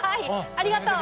ありがとう！